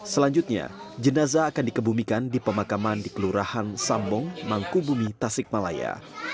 selanjutnya jenazah akan dikebumikan di pemakaman di kelurahan sambong mangku bumi tasik malaya